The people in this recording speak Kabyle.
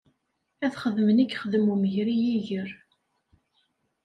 Ad xedmen i yexdem umger i yiger.